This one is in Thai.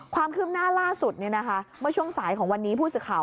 ความคืบหน้าล่าสุดเมื่อช่วงสายของวันนี้ผู้สื่อข่าว